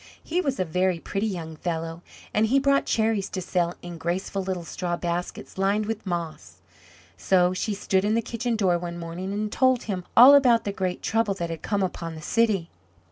He was a very pretty young fellow, and he brought cherries to sell in graceful little straw baskets lined with moss. So she stood in the kitchen door one morning and told him all about the great trouble that had come upon the city.